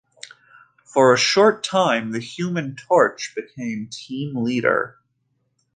For a short time the Human Torch became team leader.